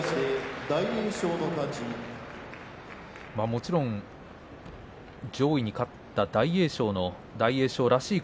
もちろん上位に勝った大栄翔の大栄翔らしい